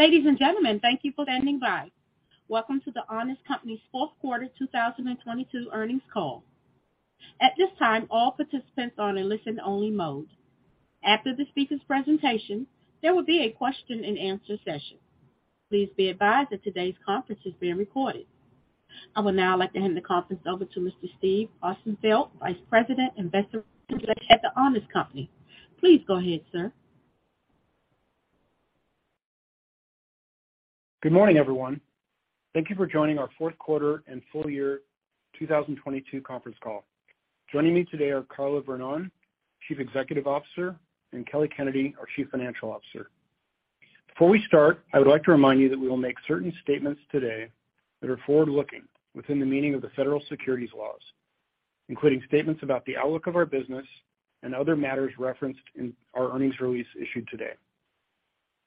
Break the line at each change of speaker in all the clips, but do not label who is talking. Ladies and gentlemen, thank you for standing by. Welcome to The Honest Company's Fourth Quarter 2022 Earnings Call. At this time, all participants are in listen only mode. After the speaker's presentation, there will be a question-and-answer session. Please be advised that today's conference is being recorded. I would now like to hand the conference over to Mr. Steve Austenfeld, Vice President, Investor Relations at The Honest Company. Please go ahead, sir.
Good morning, everyone. Thank you for joining our Fourth Quarter and Full Year 2022 Conference Call. Joining me today are Carla Vernón, Chief Executive Officer, and Kelly Kennedy, our Chief Financial Officer. Before we start, I would like to remind you that we will make certain statements today that are forward-looking within the meaning of the federal securities laws, including statements about the outlook of our business and other matters referenced in our earnings release issued today.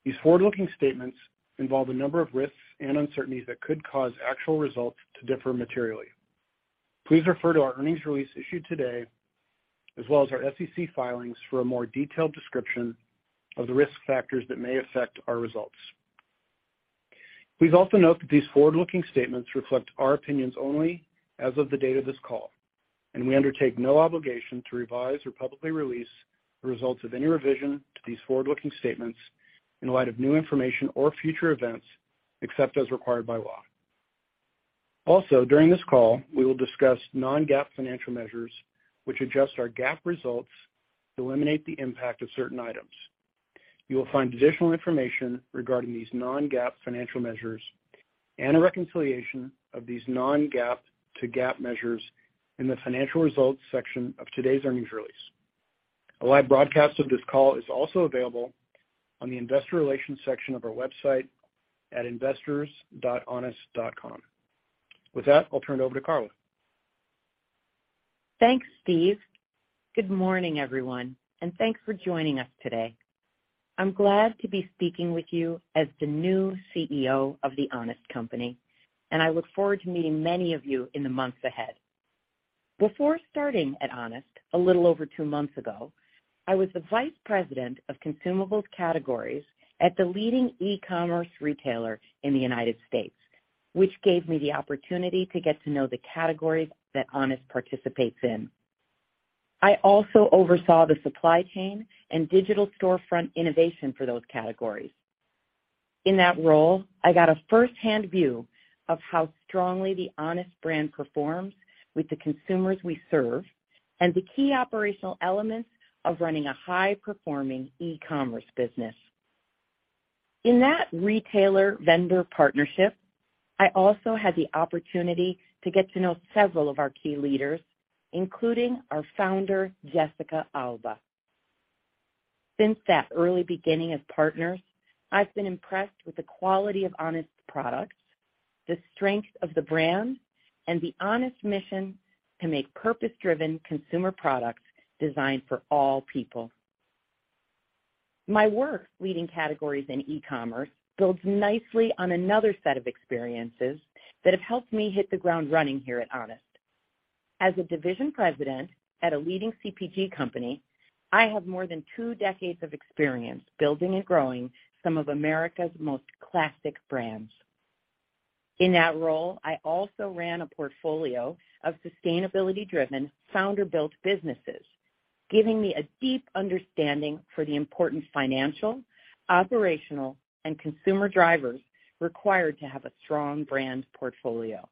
These forward-looking statements involve a number of risks and uncertainties that could cause actual results to differ materially. Please refer to our earnings release issued today, as well as our SEC filings, for a more detailed description of the risk factors that may affect our results. Please also note that these forward-looking statements reflect our opinions only as of the date of this call, and we undertake no obligation to revise or publicly release the results of any revision to these forward-looking statements in light of new information or future events, except as required by law. During this call, we will discuss non-GAAP financial measures which adjust our GAAP results to eliminate the impact of certain items. You will find additional information regarding these non-GAAP financial measures and a reconciliation of these non-GAAP to GAAP measures in the financial results section of today's earnings release. A live broadcast of this call is also available on the investor relations section of our website at investors.honest.com. With that, I'll turn it over to Carla. Thanks, Steve. Good morning, everyone. Thanks for joining us today. I'm glad to be speaking with you as the new CEO of The Honest Company. I look forward to meeting many of you in the months ahead. Before starting at Honest a little over 2 months ago, I was the Vice President of consumables categories at the leading e-commerce retailer in the United States, which gave me the opportunity to get to know the categories that Honest participates in. I also oversaw the supply chain and digital storefront innovation for those categories. In that role, I got a firsthand view of how strongly the Honest brand performs with the consumers we serve and the key operational elements of running a high performing e-commerce business. In that retailer-vendor partnership, I also had the opportunity to get to know several of our key leaders, including our Founder, Jessica Alba. Since that early beginning as partners, I've been impressed with the quality of Honest products, the strength of the brand, and the Honest mission to make purpose-driven consumer products designed for all people. My work leading categories in e-commerce builds nicely on another set of experiences that have helped me hit the ground running here at Honest. As a division president at a leading CPG company, I have more than 2 decades of experience building and growing some of America's most classic brands. In that role, I also ran a portfolio of sustainability driven, founder built businesses, giving me a deep understanding for the important financial, operational, and consumer drivers required to have a strong brand portfolio.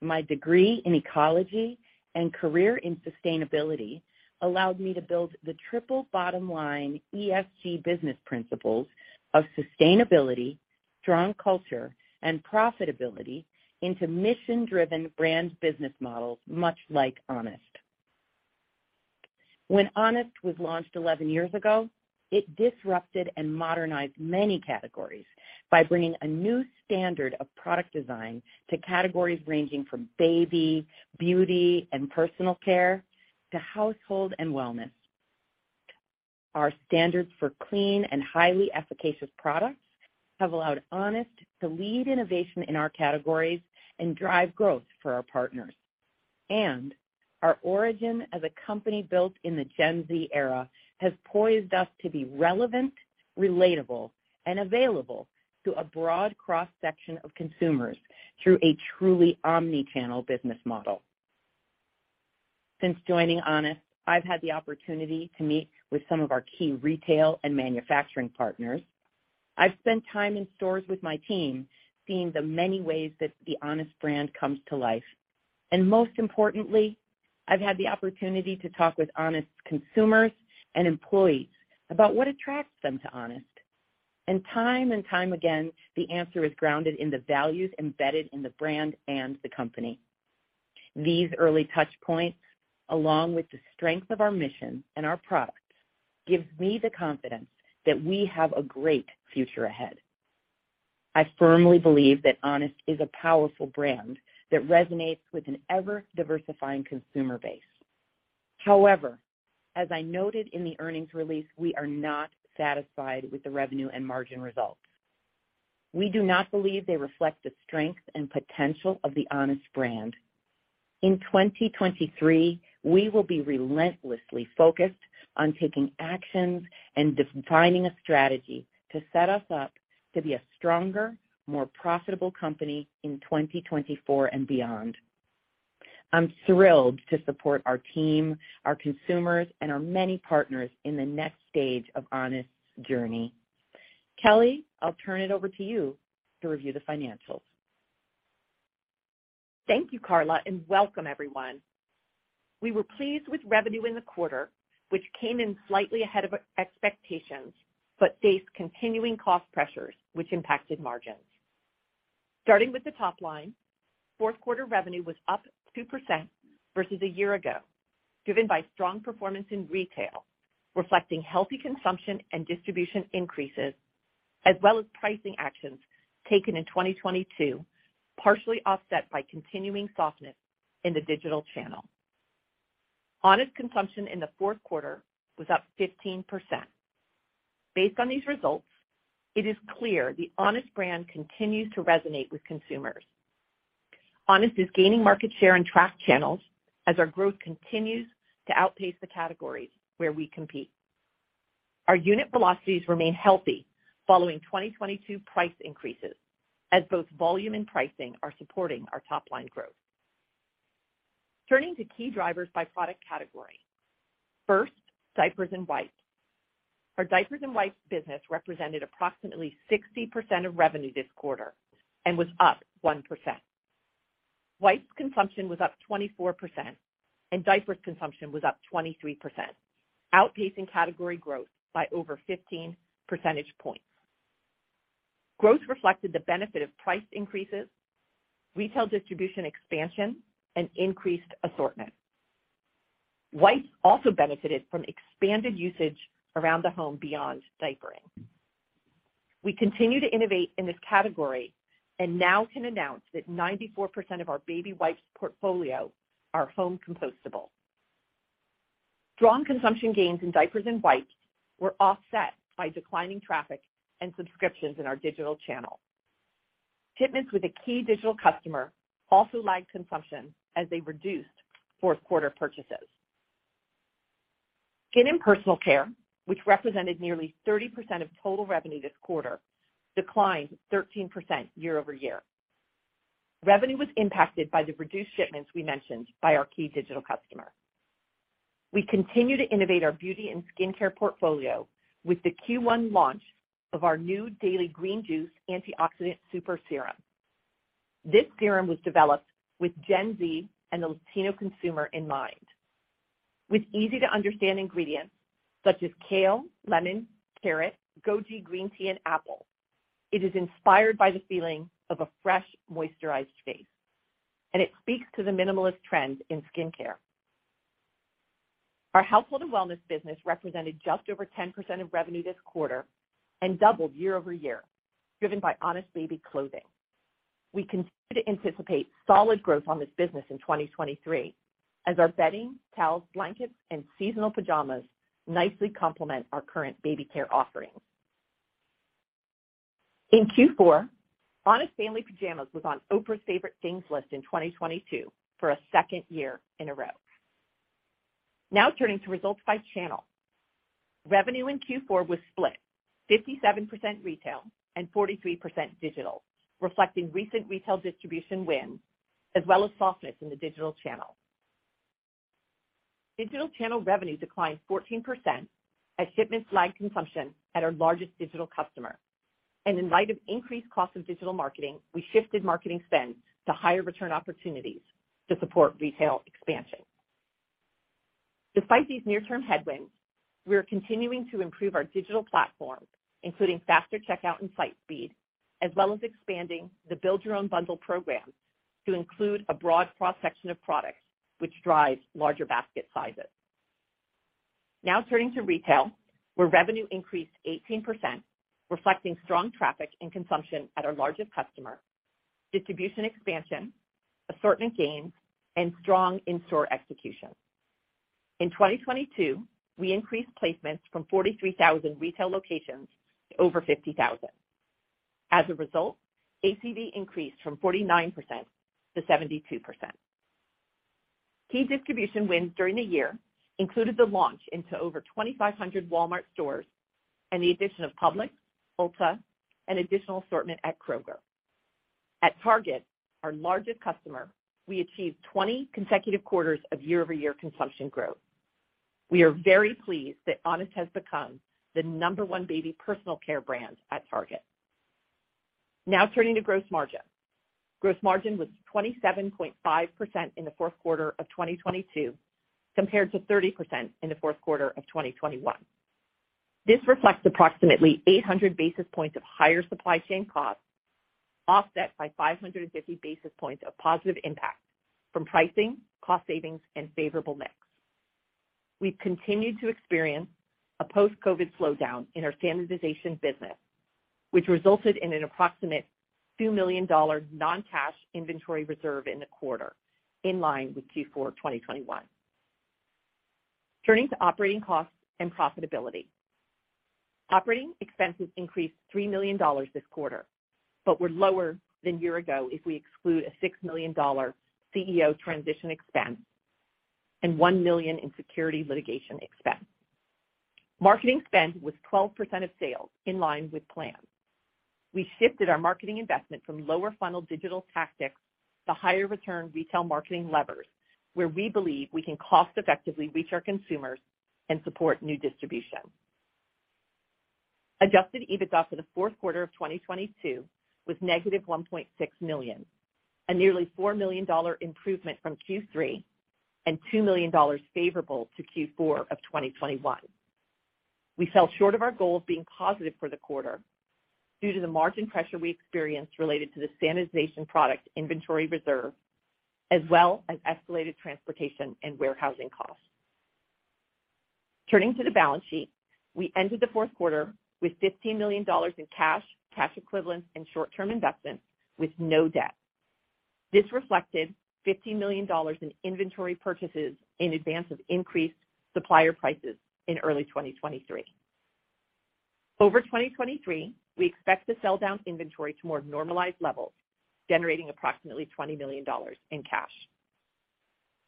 My degree in ecology and career in sustainability allowed me to build the triple bottom line ESG business principles of sustainability, strong culture, and profitability into mission driven brand business models, much like Honest. When Honest was launched 11 years ago, it disrupted and modernized many categories by bringing a new standard of product design to categories ranging from baby, beauty, and personal care to household and wellness. Our standards for clean and highly efficacious products have allowed Honest to lead innovation in our categories and drive growth for our partners. Our origin as a company built in the Gen Z era has poised us to be relevant, relatable, and available to a broad cross section of consumers through a truly omni-channel business model. Since joining Honest, I've had the opportunity to meet with some of our key retail and manufacturing partners. I've spent time in stores with my team, seeing the many ways that The Honest brand comes to life. Most importantly, I've had the opportunity to talk with Honest consumers and employees about what attracts them to Honest. Time and time again, the answer is grounded in the values embedded in the brand and the company. These early touch points, along with the strength of our mission and our products, gives me the confidence that we have a great future ahead. I firmly believe that Honest is a powerful brand that resonates with an ever-diversifying consumer base. However, as I noted in the earnings release, we are not satisfied with the revenue and margin results. We do not believe they reflect the strength and potential of The Honest brand. In 2023, we will be relentlessly focused on taking actions and defining a strategy to set us up to be a stronger, more profitable company in 2024 and beyond. I'm thrilled to support our team, our consumers and our many partners in the next stage of Honest's journey. Kelly, I'll turn it over to you to review the financials.
Thank you, Carla. Welcome everyone. We were pleased with revenue in the quarter, which came in slightly ahead of expectations, but faced continuing cost pressures which impacted margins. Starting with the top line, fourth quarter revenue was up 2% versus a year ago, driven by strong performance in retail, reflecting healthy consumption and distribution increases as well as pricing actions taken in 2022, partially offset by continuing softness in the digital channel. Honest consumption in the fourth quarter was up 15%. Based on these results, it is clear the Honest brand continues to resonate with consumers. Honest is gaining market share in tracked channels as our growth continues to outpace the categories where we compete. Our unit velocities remain healthy following 2022 price increases as both volume and pricing are supporting our top line growth. Turning to key drivers by product category. First, diapers and wipes. Our diapers and wipes business represented approximately 60% of revenue this quarter and was up 1%. Wipes consumption was up 24% and diapers consumption was up 23%, outpacing category growth by over 15 percentage points. Growth reflected the benefit of price increases, retail distribution expansion and increased assortment. Wipes also benefited from expanded usage around the home beyond diapering. We continue to innovate in this category and now can announce that 94% of our baby wipes portfolio are home compostable. Strong consumption gains in diapers and wipes were offset by declining traffic and subscriptions in our digital channel. Shipments with a key digital customer also lagged consumption as they reduced fourth quarter purchases. Skin and personal care, which represented nearly 30% of total revenue this quarter, declined 13% year-over-year. Revenue was impacted by the reduced shipments we mentioned by our key digital customer. We continue to innovate our beauty and skin care portfolio with the Q1 launch of our new Daily Green Juice Antioxidant Super Serum. This serum was developed with Gen Z and the Latino consumer in mind. With easy to understand ingredients such as kale, lemon, carrot, goji green tea and apple, it is inspired by the feeling of a fresh moisturized face, and it speaks to the minimalist trend in skin care. Our household and wellness business represented just over 10% of revenue this quarter and doubled year-over-year, driven by Honest Baby Clothing. We continue to anticipate solid growth on this business in 2023 as our bedding, towels, blankets and seasonal pajamas nicely complement our current baby care offerings. In Q4, Honest family pajamas was on Oprah's Favorite Things list in 2022 for a second year in a row. Now turning to results by channel. Revenue in Q4 was split 57% retail and 43% digital, reflecting recent retail distribution wins as well as softness in the digital channel. Digital channel revenue declined 14% as shipments lagged consumption at our largest digital customer. In light of increased costs of digital marketing, we shifted marketing spend to higher return opportunities to support retail expansion. Despite these near-term headwinds, we are continuing to improve our digital platform, including faster checkout and site speed, as well as expanding the Build Your Own Bundle program to include a broad cross-section of products, which drives larger basket sizes. Now turning to retail, where revenue increased 18%, reflecting strong traffic and consumption at our largest customer, distribution expansion, assortment gains and strong in-store execution. In 2022, we increased placements from 43,000 retail locations to over 50,000. As a result, ACD increased from 49% to 72%. Key distribution wins during the year included the launch into over 2,500 Walmart stores and the addition of Publix, Ulta and additional assortment at Kroger. At Target, our largest customer, we achieved 20 consecutive quarters of year-over-year consumption growth. We are very pleased that Honest has become the number one baby personal care brand at Target. Now turning to gross margin. Gross margin was 27.5% in the fourth quarter of 2022 compared to 30% in the fourth quarter of 2021. This reflects approximately 800 basis points of higher supply chain costs, offset by 550 basis points of positive impact from pricing, cost savings and favorable mix. We've continued to experience a post-COVID slowdown in our sanitization business, which resulted in an approximate $2 million non-cash inventory reserve in the quarter, in line with Q4 2021. Turning to operating costs and profitability. Operating expenses increased $3 million this quarter, were lower than year ago if we exclude a $6 million CEO transition expense and $1 million in security litigation expense. Marketing spend was 12% of sales in line with plan. We shifted our marketing investment from lower funnel digital tactics to higher return retail marketing levers, where we believe we can cost effectively reach our consumers and support new distribution. Adjusted EBITDA for the fourth quarter of 2022 was negative $1.6 million, a nearly $4 million improvement from Q3 and $2 million favorable to Q4 of 2021. We fell short of our goal of being positive for the quarter due to the margin pressure we experienced related to the sanitization product inventory reserve as well as escalated transportation and warehousing costs. Turning to the balance sheet, we ended the fourth quarter with $15 million in cash equivalents and short-term investments with no debt. This reflected $15 million in inventory purchases in advance of increased supplier prices in early 2023. Over 2023, we expect to sell down inventory to more normalized levels, generating approximately $20 million in cash.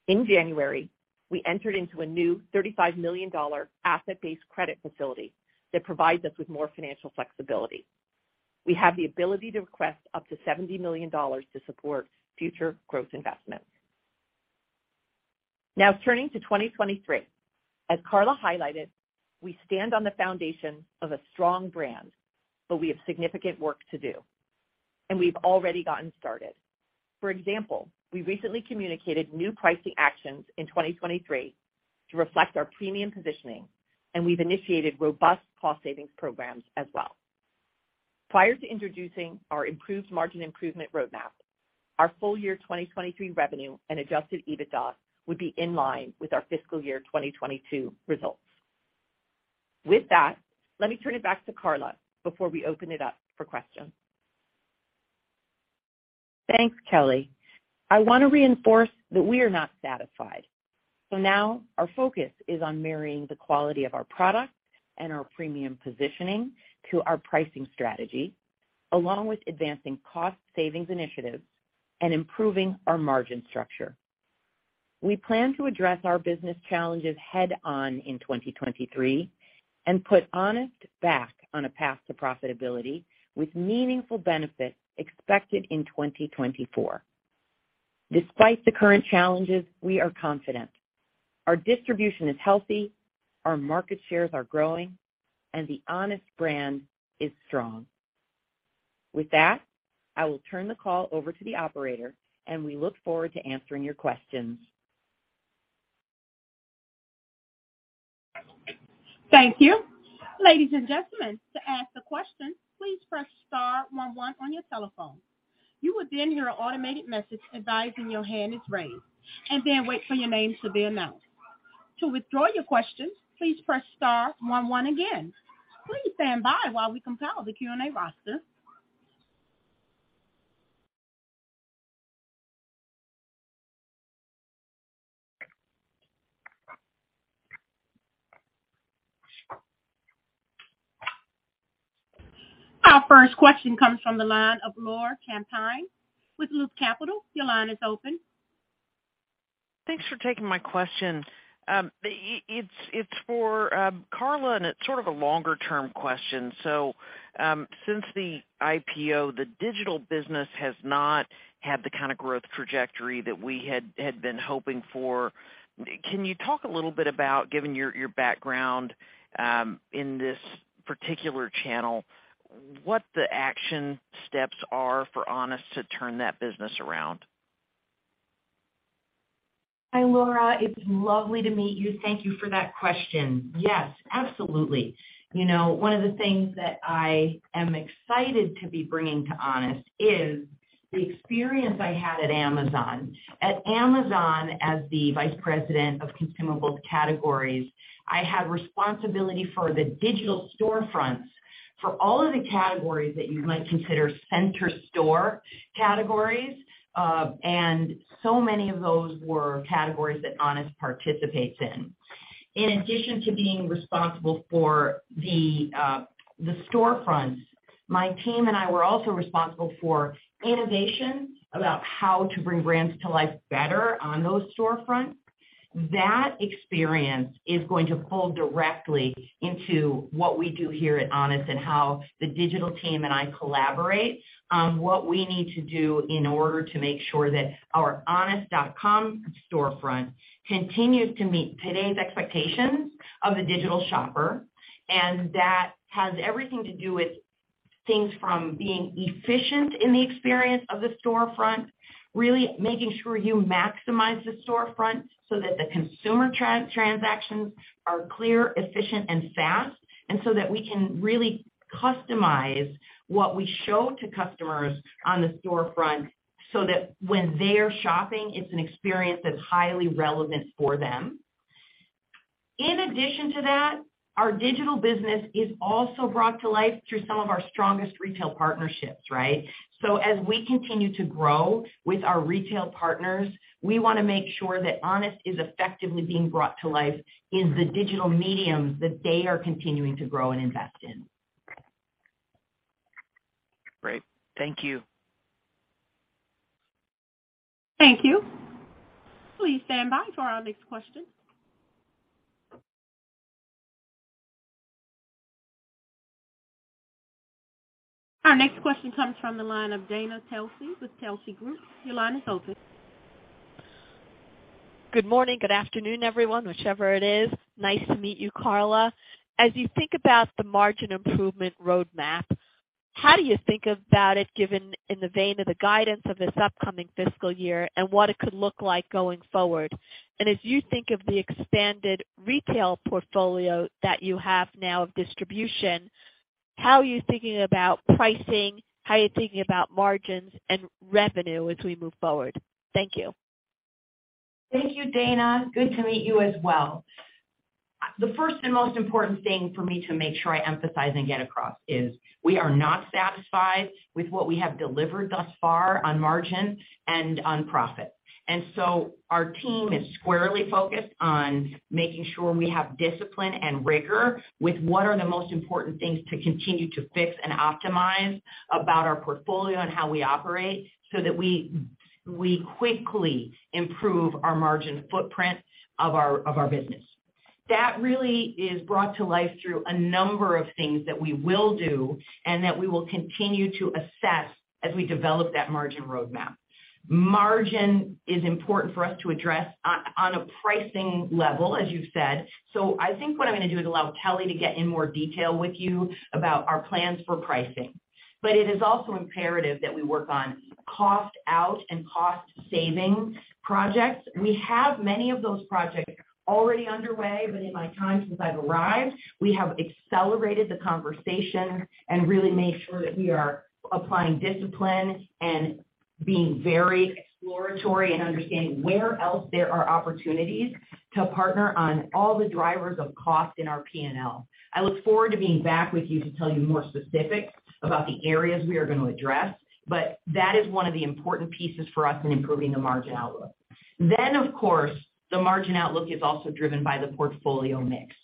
In January, we entered into a new $35 million asset-based credit facility that provides us with more financial flexibility. We have the ability to request up to $70 million to support future growth investments. Turning to 2023. As Carla highlighted, we stand on the foundation of a strong brand, but we have significant work to do, and we've already gotten started. For example, we recently communicated new pricing actions in 2023 to reflect our premium positioning, and we've initiated robust cost savings programs as well. Prior to introducing our improved margin improvement roadmap, our full year 2023 revenue and Adjusted EBITDA would be in line with our fiscal year 2022 results. With that, let me turn it back to Carla before we open it up for questions.
Thanks, Kelly. I want to reinforce that we are not satisfied. Now our focus is on marrying the quality of our product and our premium positioning to our pricing strategy, along with advancing cost savings initiatives and improving our margin structure. We plan to address our business challenges head on in 2023 and put Honest back on a path to profitability with meaningful benefits expected in 2024. Despite the current challenges, we are confident. Our distribution is healthy, our market shares are growing, and the Honest brand is strong. With that, I will turn the call over to the operator, and we look forward to answering your questions.
Thank you. Ladies and gentlemen, to ask a question, please press star one one on your telephone. You will then hear an automated message advising your hand is raised, and then wait for your name to be announced. To withdraw your questions, please press star one one again. Please stand by while we compile the Q&A roster. Our first question comes from the line of Laura Champine with Loop Capital. Your line is open.
Thanks for taking my question. It's for Carla, and it's sort of a longer-term question. Since the IPO, the digital business has not had the kind of growth trajectory that we had been hoping for. Can you talk a little bit about, given your background, in this particular channel, what the action steps are for Honest to turn that business around?
Hi, Laura. It's lovely to meet you. Thank you for that question. Yes, absolutely. You know, one of the things that I am excited to be bringing to Honest is the experience I had at Amazon. At Amazon, as the vice president of consumables categories, I had responsibility for the digital storefronts for all of the categories that you might consider center store categories. So many of those were categories that Honest participates in. In addition to being responsible for the storefronts, my team and I were also responsible for innovation about how to bring brands to life better on those storefronts. That experience is going to pull directly into what we do here at Honest and how the digital team and I collaborate on what we need to do in order to make sure that our honest.com storefront continues to meet today's expectations of the digital shopper. That has everything to do with things from being efficient in the experience of the storefront, really making sure you maximize the storefront so that the consumer transactions are clear, efficient, and fast, and so that we can really customize what we show to customers on the storefront so that when they are shopping, it's an experience that's highly relevant for them. In addition to that, our digital business is also brought to life through some of our strongest retail partnerships, right? As we continue to grow with our retail partners, we wanna make sure that Honest is effectively being brought to life in the digital mediums that they are continuing to grow and invest in.
Great. Thank you.
Thank you. Please stand by for our next question. Our next question comes from the line of Dana Telsey with Telsey Group. Your line is open.
Good morning, good afternoon, everyone, whichever it is. Nice to meet you, Carla. As you think about the margin improvement roadmap, how do you think about it given in the vein of the guidance of this upcoming fiscal year and what it could look like going forward? As you think of the expanded retail portfolio that you have now of distribution, how are you thinking about pricing, how are you thinking about margins and revenue as we move forward? Thank you.
Thank you, Dana. Good to meet you as well. The first and most important thing for me to make sure I emphasize and get across is we are not satisfied with what we have delivered thus far on margin and on profit. Our team is squarely focused on making sure we have discipline and rigor with what are the most important things to continue to fix and optimize about our portfolio and how we operate so that we quickly improve our margin footprint of our business. That really is brought to life through a number of things that we will do and that we will continue to assess as we develop that margin roadmap. Margin is important for us to address on a pricing level, as you said. I think what I'm gonna do is allow Kelly to get in more detail with you about our plans for pricing. It is also imperative that we work on cost out and cost saving projects. We have many of those projects already underway, but in my time since I've arrived, we have accelerated the conversation and really made sure that we are applying discipline and being very exploratory and understanding where else there are opportunities to partner on all the drivers of cost in our P&L. I look forward to being back with you to tell you more specifics about the areas we are gonna address, but that is one of the important pieces for us in improving the margin outlook. Of course, the margin outlook is also driven by the portfolio mix.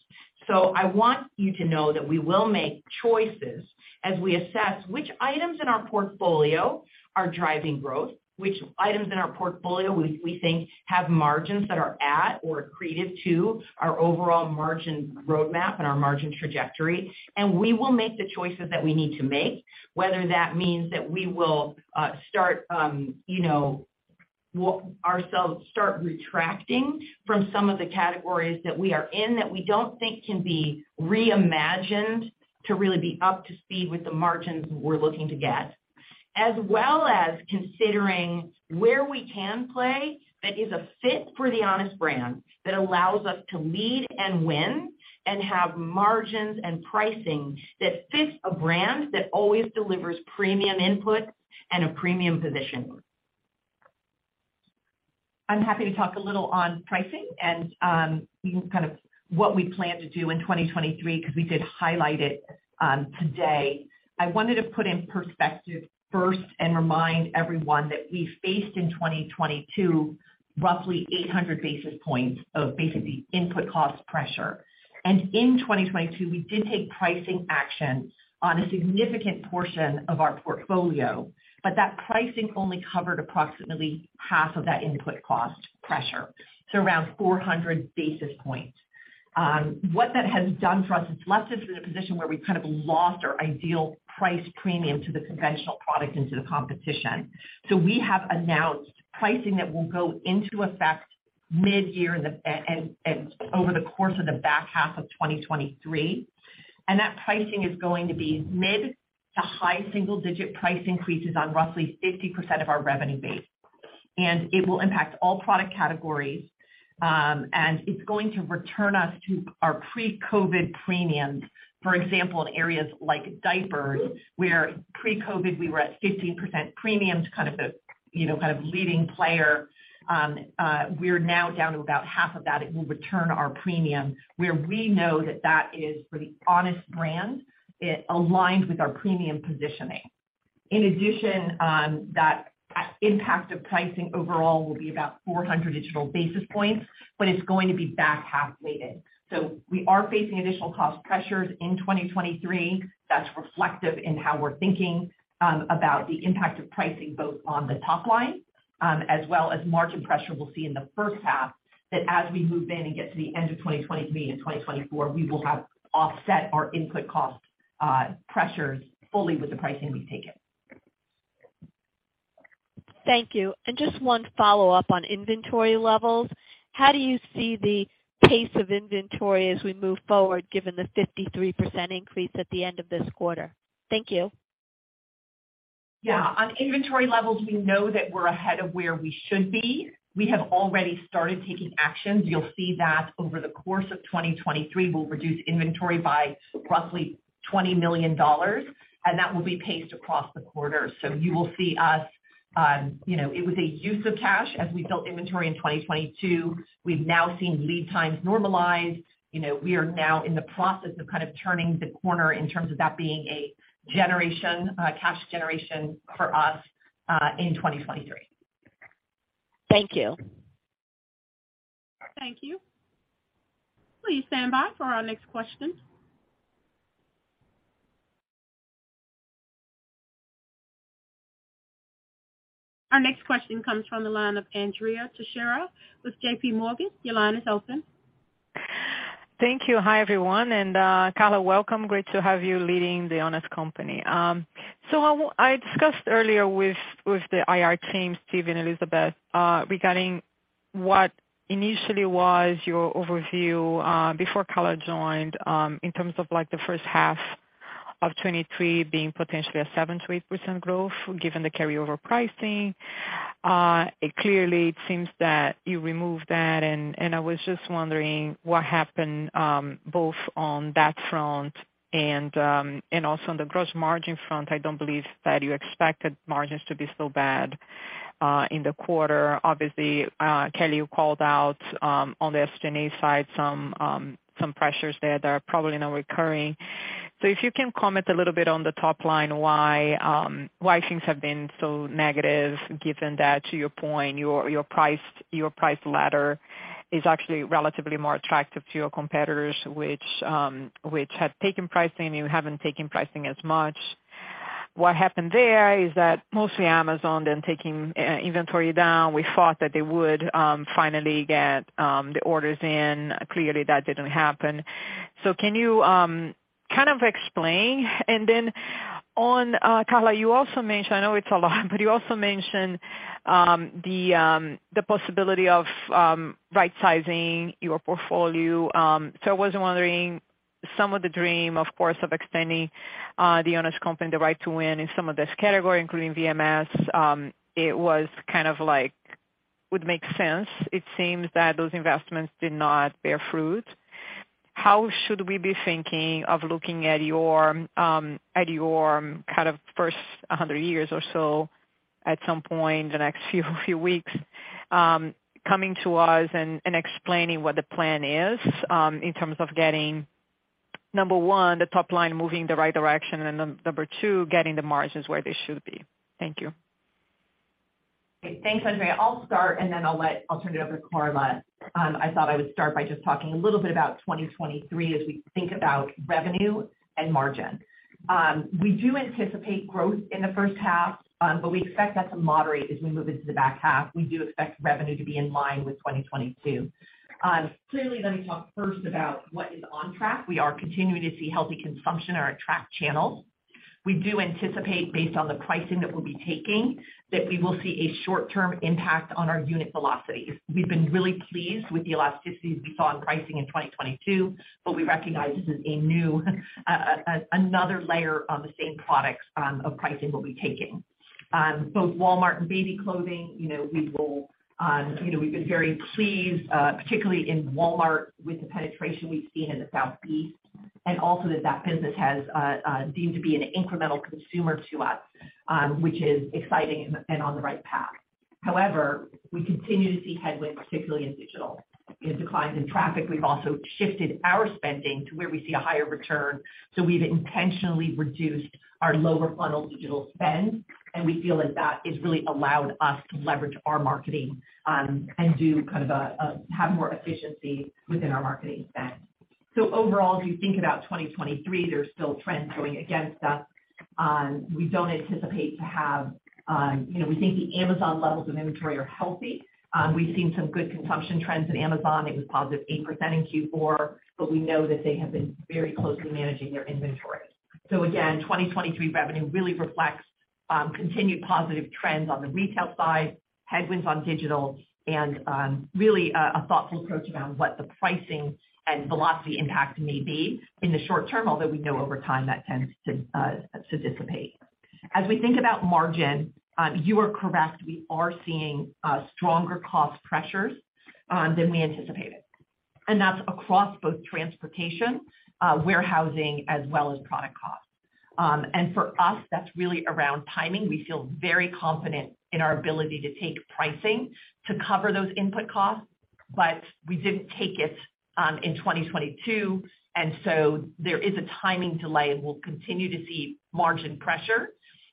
I want you to know that we will make choices as we assess which items in our portfolio are driving growth, which items in our portfolio we think have margins that are at or accretive to our overall margin roadmap and our margin trajectory. We will make the choices that we need to make, whether that means that we will, you know, ourselves start retracting from some of the categories that we are in that we don't think can be reimagined to really be up to speed with the margins we're looking to get, as well as considering where we can play that is a fit for The Honest Brand that allows us to lead and win and have margins and pricing that fits a brand that always delivers premium input and a premium position.
I'm happy to talk a little on pricing and kind of what we plan to do in 2023 because we did highlight it today. I wanted to put in perspective first and remind everyone that we faced in 2022 roughly 800 basis points of basically input cost pressure. In 2022, we did take pricing action on a significant portion of our portfolio, but that pricing only covered approximately half of that input cost pressure, so around 400 basis points. What that has done for us is left us in a position where we've kind of lost our ideal price premium to the conventional product into the competition. We have announced pricing that will go into effect mid-year in the and over the course of the back half of 2023, and that pricing is going to be mid to high single-digit price increases on roughly 50% of our revenue base. It will impact all product categories, and it's going to return us to our pre-COVID premiums. For example, in areas like diapers, where pre-COVID we were at 15% premiums, kind of the, you know, leading player, we're now down to about half of that. It will return our premium where we know that that is for The Honest Brand, it aligns with our premium positioning. That impact of pricing overall will be about 400 digital basis points, but it's going to be back-half weighted. We are facing additional cost pressures in 2023. That's reflective in how we're thinking about the impact of pricing both on the top line, as well as margin pressure we'll see in the first half, that as we move in and get to the end of 2023 and 2024, we will have offset our input cost pressures fully with the pricing we've taken.
Thank you. Just one follow-up on inventory levels. How do you see the pace of inventory as we move forward, given the 53% increase at the end of this quarter? Thank you.
On inventory levels, we know that we're ahead of where we should be. We have already started taking actions. You'll see that over the course of 2023, we'll reduce inventory by roughly $20 million, and that will be paced across the quarter. You will see us, you know, it was a use of cash as we built inventory in 2022. We've now seen lead times normalize. You know, we are now in the process of kind of turning the corner in terms of that being a generation, cash generation for us, in 2023.
Thank you.
Thank you. Please stand by for our next question. Our next question comes from the line of Andrea Teixeira with J.P. Morgan. Your line is open.
Thank you. Hi, everyone. Carla, welcome. Great to have you leading The Honest Company. I discussed earlier with the IR team, Steve and Elizabeth, regarding what initially was your overview before Carla joined, in terms of like the first half of 23 being potentially a 7% growth given the carryover pricing. It clearly it seems that you removed that, and I was just wondering what happened both on that front and also on the gross margin front. I don't believe that you expected margins to be so bad in the quarter. Obviously, Kelly, you called out on the SG&A side some pressures there that are probably now recurring. If you can comment a little bit on the top line why things have been so negative given that, to your point, your priced ladder is actually relatively more attractive to your competitors, which have taken pricing, you haven't taken pricing as much. What happened there is that mostly Amazon then taking inventory down. We thought that they would finally get the orders in. Clearly, that didn't happen. Can you kind of explain? Then on Carla, you also mentioned... I know it's a lot, but you also mentioned the possibility of right sizing your portfolio. I was wondering some of the dream, of course, of extending The Honest Company, the right to win in some of this category, including VMS. It was kind of like, would make sense. It seems that those investments did not bear fruit. How should we be thinking of looking at your, at your kind of first 100 years or so at some point in the next few weeks, coming to us and explaining what the plan is, in terms of getting, number one, the top line moving in the right direction, and number two, getting the margins where they should be? Thank you.
Thanks, Andrea. I'll start, and then I'll turn it over to Carla. I thought I would start by just talking a little bit about 2023 as we think about revenue and margin. We do anticipate growth in the first half, but we expect that to moderate as we move into the back half. We do expect revenue to be in line with 2022. Clearly, let me talk first about what is on track. We are continuing to see healthy consumption in our track channels. We do anticipate based on the pricing that we'll be taking, that we will see a short-term impact on our unit velocities. We've been really pleased with the elasticity we saw in pricing in 2022, but we recognize this is a new, another layer on the same products of pricing we'll be taking. Both Walmart and baby clothing, you know, we will, you know, we've been very pleased, particularly in Walmart, with the penetration we've seen in the Southeast, and also that business has deemed to be an incremental consumer to us, which is exciting and on the right path. However, we continue to see headwinds, particularly in digital. In declines in traffic, we've also shifted our spending to where we see a higher return. We've intentionally reduced our lower funnel digital spend, and we feel like that has really allowed us to leverage our marketing and do kind of have more efficiency within our marketing spend. Overall, as you think about 2023, there's still trends going against us. We don't anticipate having, you know, we think the Amazon levels of inventory are healthy. We've seen some good consumption trends in Amazon. It was positive 8% in Q4. We know that they have been very closely managing their inventories. Again, 2023 revenue really reflects continued positive trends on the retail side, headwinds on digital, and really a thoughtful approach around what the pricing and velocity impact may be in the short term. Although we know over time that tends to dissipate. As we think about margin, you are correct, we are seeing stronger cost pressures than we anticipated. That's across both transportation, warehousing, as well as product costs. And for us, that's really around timing. We feel very confident in our ability to take pricing to cover those input costs. We didn't take it in 2022. There is a timing delay, and we'll continue to see margin pressure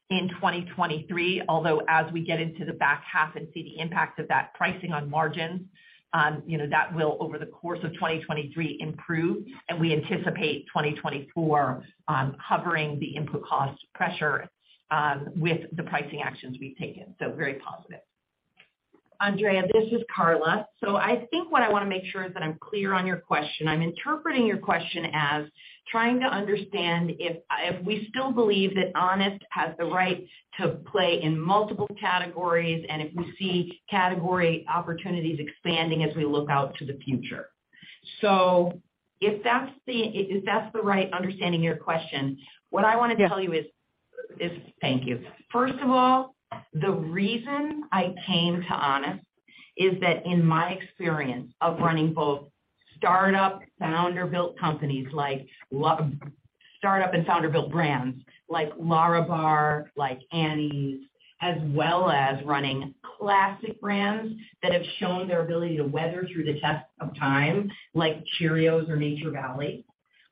in 2023. As we get into the back half and see the impact of that pricing on margins, you know, that will over the course of 2023 improve, and we anticipate 2024 covering the input cost pressure with the pricing actions we've taken. Very positive.
Andrea, this is Carla. I think what I wanna make sure is that I'm clear on your question. I'm interpreting your question as trying to understand if we still believe that Honest has the right to play in multiple categories and if we see category opportunities expanding as we look out to the future. If that's the right understanding of your question, what I wanna tell you is-
Yeah.
Thank you. First of all, the reason I came to Honest is that in my experience of running both startup, founder-built companies like startup and founder-built brands like LÄRABAR, like Annie's, as well as running classic brands that have shown their ability to weather through the test of time, like Cheerios or Nature Valley.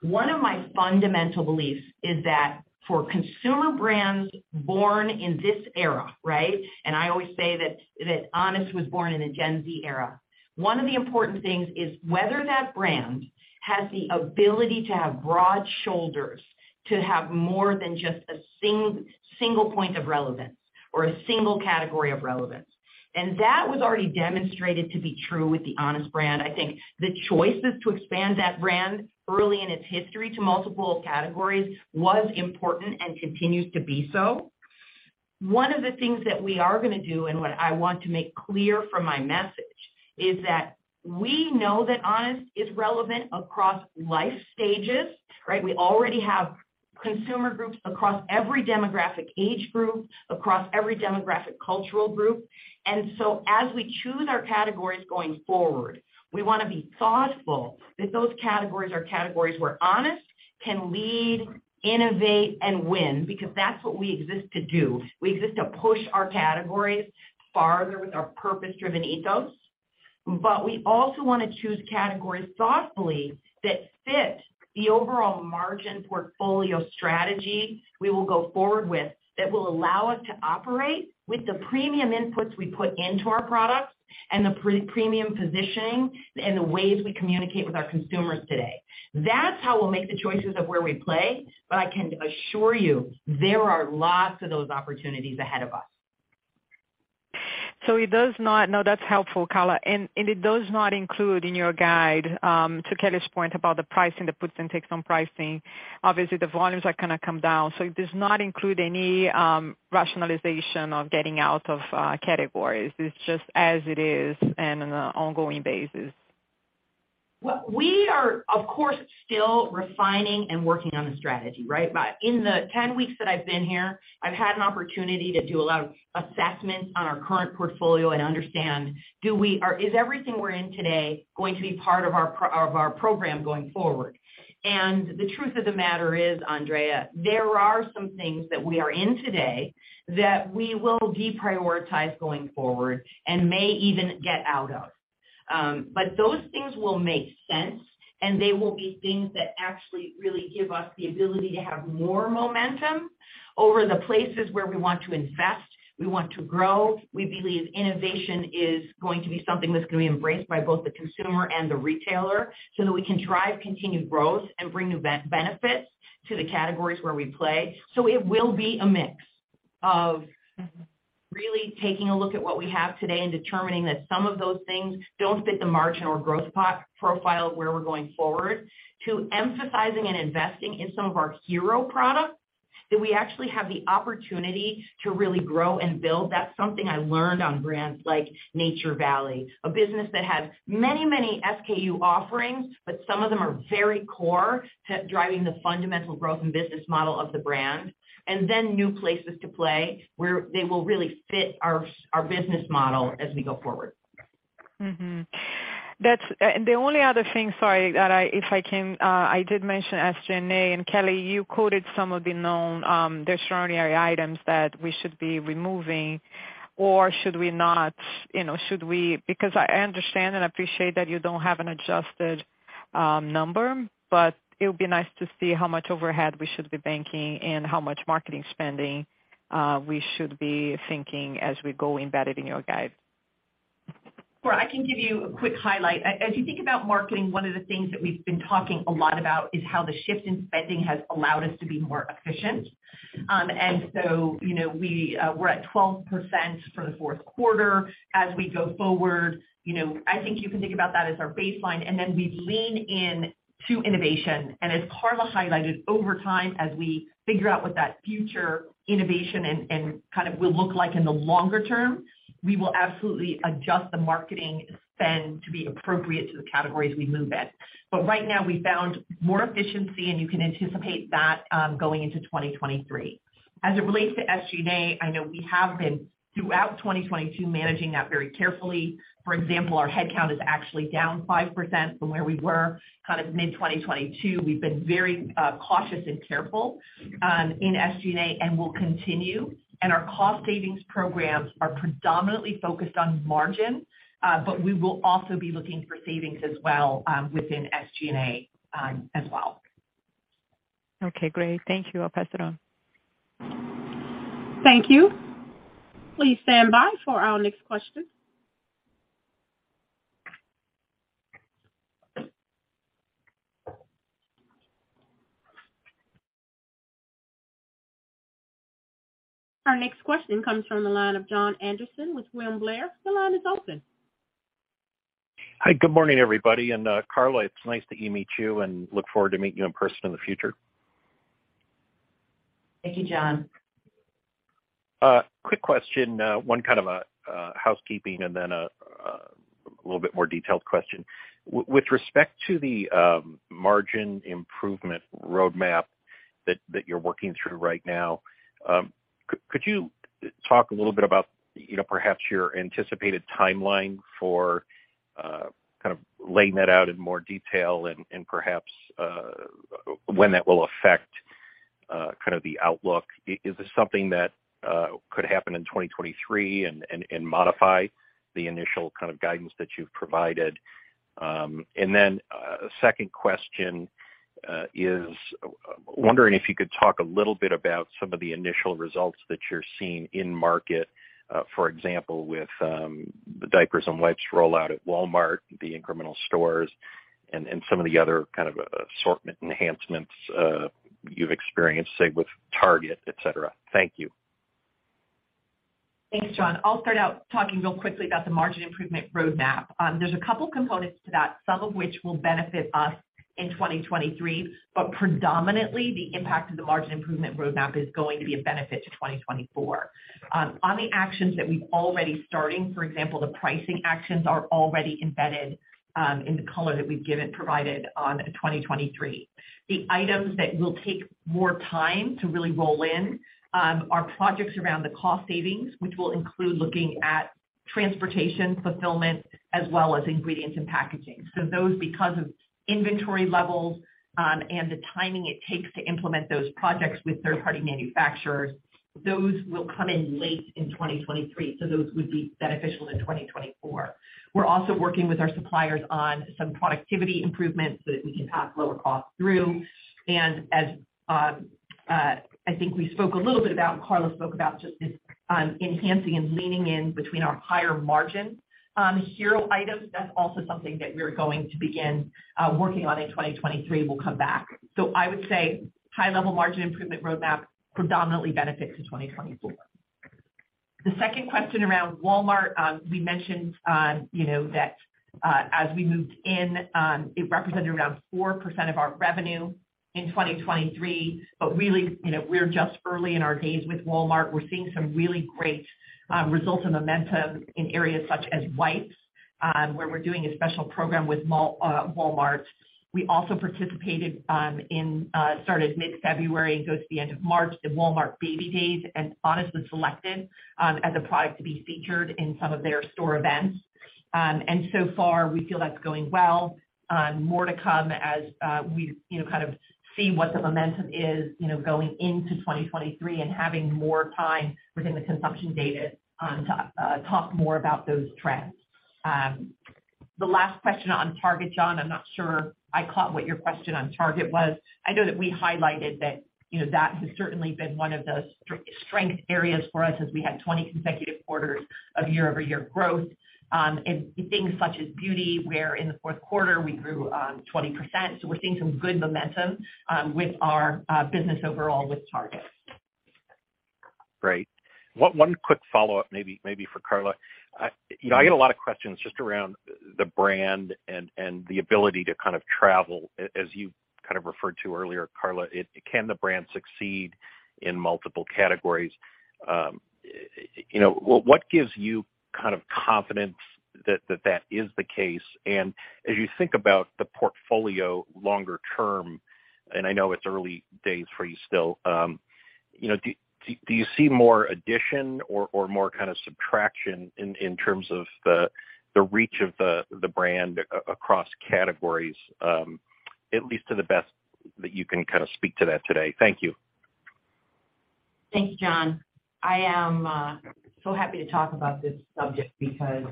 One of my fundamental beliefs is that for consumer brands born in this era, right? I always say that Honest was born in a Gen Z era. One of the important things is whether that brand has the ability to have broad shoulders, to have more than just a single point of relevance or a single category of relevance. That was already demonstrated to be true with the Honest brand. I think the choices to expand that brand early in its history to multiple categories was important and continues to be so. One of the things that we are going to do, and what I want to make clear from my message, is that we know that Honest is relevant across life stages, right? We already have consumer groups across every demographic age group, across every demographic cultural group. As we choose our categories going forward, we want to be thoughtful that those categories are categories where Honest can lead, innovate and win because that's what we exist to do. We exist to push our categories farther with our purpose-driven ethos. We also want to choose categories thoughtfully that fit the overall margin portfolio strategy we will go forward with that will allow us to operate with the premium inputs we put into our products and the pre-premium positioning and the ways we communicate with our consumers today. That's how we'll make the choices of where we play, but I can assure you there are lots of those opportunities ahead of us.
No, that's helpful, Carla. it does not include in your guide, to Kelly's point about the pricing that puts and takes on pricing. Obviously, the volumes are gonna come down. it does not include any rationalization of getting out of categories. It's just as it is and on an ongoing basis.
Well, we are, of course, still refining and working on the strategy, right? In the 10 weeks that I've been here, I've had an opportunity to do a lot of assessment on our current portfolio and understand is everything we're in today going to be part of our program going forward. The truth of the matter is, Andrea, there are some things that we are in today that we will deprioritize going forward and may even get out of. Those things will make sense, and they will be things that actually really give us the ability to have more momentum over the places where we want to invest, we want to grow. We believe innovation is going to be something that's going to be embraced by both the consumer and the retailer so that we can drive continued growth and bring new benefits to the categories where we play. It will be a mix of really taking a look at what we have today and determining that some of those things don't fit the margin or growth profile where we're going forward to emphasizing and investing in some of our hero products that we actually have the opportunity to really grow and build. That's something I learned on brands like Nature Valley, a business that had many, many SKU offerings, but some of them are very core to driving the fundamental growth and business model of the brand. New places to play where they will really fit our business model as we go forward.
The only other thing, sorry, that I if I can, I did mention SG&A, and Kelly, you quoted some of the known extraordinary items that we should be removing or should we not, you know. I understand and appreciate that you don't have an adjusted number, but it would be nice to see how much overhead we should be banking and how much marketing spending we should be thinking as we go embedded in your guide.
Sure. I can give you a quick highlight. As you think about marketing, one of the things that we've been talking a lot about is how the shift in spending has allowed us to be more efficient. So, you know, we're at 12% for the fourth quarter. As we go forward, you know, I think you can think about that as our baseline, and then we lean into innovation. As Carla highlighted, over time, as we figure out what that future innovation and kind of will look like in the longer term, we will absolutely adjust the marketing spend to be appropriate to the categories we move in. Right now, we found more efficiency, and you can anticipate that, going into 2023. As it relates to SG&A, I know we have been, throughout 2022, managing that very carefully. For example, our headcount is actually down 5% from where we were kind of mid-2022. We've been very cautious and careful in SG&A, and we'll continue. Our cost savings programs are predominantly focused on margin, but we will also be looking for savings as well within SG&A as well.
Okay, great. Thank you. I'll pass it on.
Thank you. Please stand by for our next question. Our next question comes from the line of Jon Andersen with William Blair. The line is open.
Hi. Good morning, everybody. Carla, it's nice to e-meet you and look forward to meeting you in person in the future.
Thank you, Jon.
Quick question, one kind of a housekeeping and then a little bit more detailed question. With respect to the margin improvement roadmap that you're working through right now, could you talk a little bit about, you know, perhaps your anticipated timeline for kind of laying that out in more detail and perhaps when that will affect? kind of the outlook. Is this something that could happen in 2023 and modify the initial kind of guidance that you've provided? A second question is wondering if you could talk a little bit about some of the initial results that you're seeing in market, for example, with the diapers and wipes rollout at Walmart, the incremental stores and some of the other kind of assortment enhancements, you've experienced, say with Target, et cetera. Thank you.
Thanks, Jon. I'll start out talking real quickly about the margin improvement roadmap. There's a couple components to that, some of which will benefit us in 2023, but predominantly the impact of the margin improvement roadmap is going to be a benefit to 2024. On the actions that we've already starting, for example, the pricing actions are already embedded in the color that we've provided on 2023. The items that will take more time to really roll in are projects around the cost savings, which will include looking at transportation, fulfillment, as well as ingredients and packaging. Those because of inventory levels, and the timing it takes to implement those projects with third-party manufacturers, those will come in late in 2023, those would be beneficial in 2024. We're also working with our suppliers on some productivity improvements so that we can pass lower costs through. As I think we spoke a little bit about, Carla spoke about just this enhancing and leaning in between our higher margin hero items. That's also something that we're going to begin working on in 2023, we'll come back. I would say high-level margin improvement roadmap predominantly benefits in 2024. The second question around Walmart, we mentioned, you know, that as we moved in, it represented around 4% of our revenue in 2023, but really, you know, we're just early in our days with Walmart. We're seeing some really great results and momentum in areas such as wipes, where we're doing a special program with Walmart. We also participated, started mid-February and goes to the end of March, the Walmart Baby Days, and Honest was selected as a product to be featured in some of their store events. So far, we feel that's going well. More to come as we, you know, kind of see what the momentum is, you know, going into 2023 and having more time within the consumption data to talk more about those trends. The last question on Target, John, I'm not sure I caught what your question on Target was. I know that we highlighted that, you know, that has certainly been one of the strength areas for us as we had 20 consecutive quarters of year-over-year growth in things such as beauty, where in the fourth quarter we grew 20%. We're seeing some good momentum, with our business overall with Target.
Great. One quick follow-up maybe for Carla. You know, I get a lot of questions just around the brand and the ability to kind of travel, as you kind of referred to earlier, Carla. Can the brand succeed in multiple categories? You know, what gives you kind of confidence that that is the case? And as you think about the portfolio longer term, and I know it's early days for you still, you know, do you see more addition or more kind of subtraction in terms of the reach of the brand across categories? At least to the best that you can kind of speak to that today. Thank you.
Thanks, Jon. I am so happy to talk about this subject because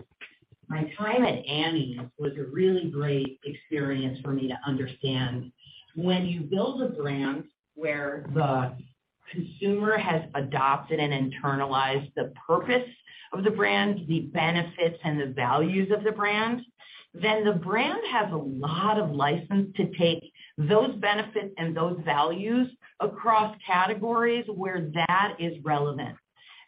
my time at Annie's was a really great experience for me to understand when you build a brand where the consumer has adopted and internalized the purpose of the brand, the benefits and the values of the brand, then the brand has a lot of license to take those benefits and those values across categories where that is relevant.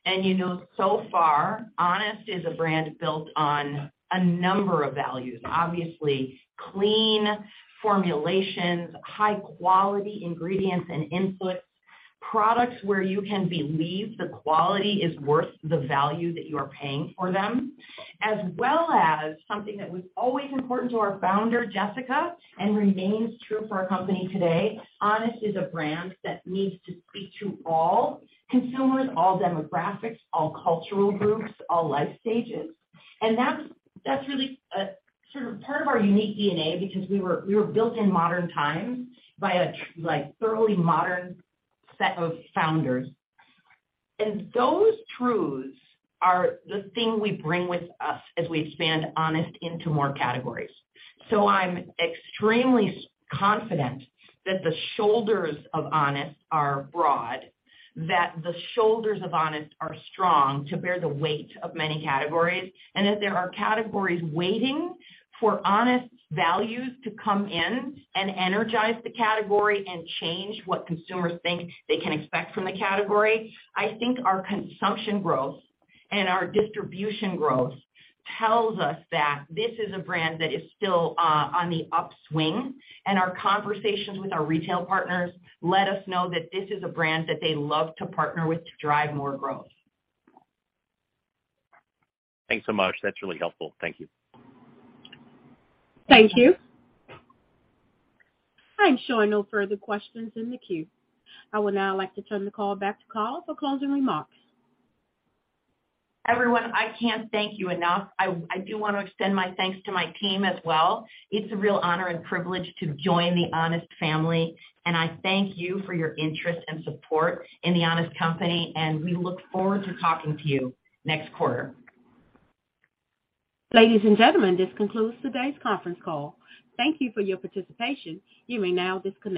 You know, so far, Honest is a brand built on a number of values. Obviously, clean formulations, high quality ingredients and inputs, products where you can believe the quality is worth the value that you are paying for them. As well as something that was always important to our founder, Jessica, and remains true for our company today, Honest is a brand that needs to speak to all consumers, all demographics, all cultural groups, all life stages.
That's really a sort of part of our unique DNA because we were built in modern times by a like thoroughly modern set of founders. Those truths are the thing we bring with us as we expand Honest into more categories. I'm extremely confident that the shoulders of Honest are broad, that the shoulders of Honest are strong to bear the weight of many categories, and that there are categories waiting for Honest's values to come in and energize the category and change what consumers think they can expect from the category. I think our consumption growth and our distribution growth tells us that this is a brand that is still on the upswing, and our conversations with our retail partners let us know that this is a brand that they love to partner with to drive more growth.
Thanks so much. That's really helpful. Thank you.
Thank you. I'm showing no further questions in the queue. I would now like to turn the call back to Carla for closing remarks.
Everyone, I can't thank you enough. I do want to extend my thanks to my team as well. It's a real honor and privilege to join the Honest family. I thank you for your interest and support in The Honest Company, and we look forward to talking to you next quarter.
Ladies and gentlemen, this concludes today's conference call. Thank you for your participation. You may now disconnect.